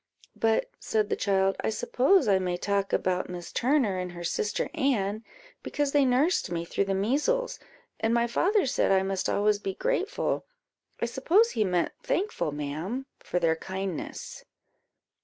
"But," said the child, "I suppose I may talk about Miss Turner and her sister Anne, because they nursed me through the measles, and my father said I must always be grateful I suppose he meant thankful, ma'am, for their kindness."